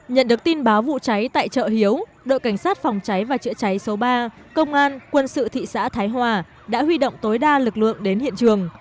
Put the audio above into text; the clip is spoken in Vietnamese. nhận được tin báo vụ cháy tại chợ hiếu đội cảnh sát phòng cháy và chữa cháy số ba công an quân sự thị xã thái hòa đã huy động tối đa lực lượng đến hiện trường